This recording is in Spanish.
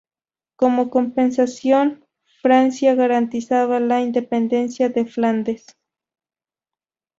Como compensación, Francia garantizaba la independencia de Flandes.